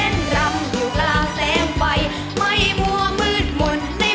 งวดหน้าอะไรมาลูกงวดหน้า